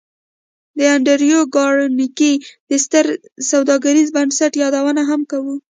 د انډریو کارنګي د ستر سوداګریز بنسټ یادونه هم کوو